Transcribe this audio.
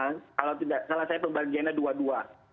kalau tidak salah saya pembagiannya dua dua